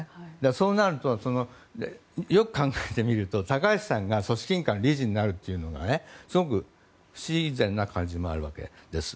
そうなると、よく考えてみると高橋さんが組織委員会の理事になるというのはすごく不自然な感じもあるわけです。